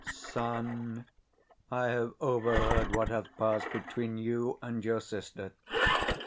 _ Son, I have overheard what hath passed between you and your sister.